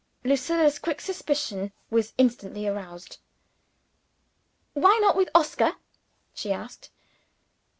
Lucilla's quick suspicion was instantly aroused. "Why not with Oscar?" she asked.